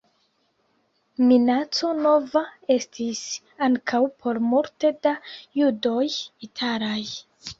Minaco nova estis ankaŭ por multe da judoj italaj.